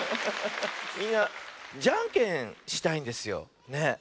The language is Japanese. みんなじゃんけんしたいんですよ。ね。